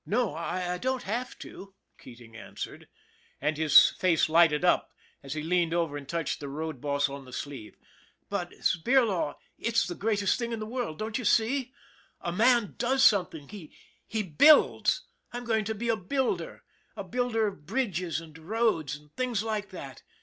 No, I don't have to," Keating answered, and his face lighted up as he leaned over and touched the road boss on the sleeve. " But, Spirlaw, it's the greatest thing in all the world. Don't you see? A man does something. He builds. I'm going to be a builder a builder of bridges and roads and things like that.